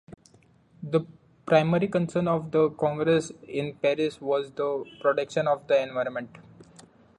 The primary concern of the Congress in Paris was the protection of the environment.